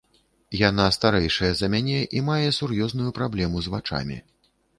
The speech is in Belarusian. Яна старэйшая за мяне і мае сур'ёзную праблему з вачамі.